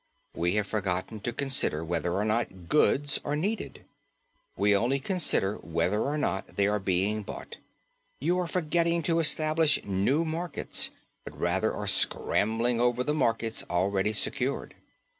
We have forgotten to consider whether or not goods are needed. We only consider whether or not they are being bought. We are forgetting to establish new markets, but rather are scrambling over the markets already secured.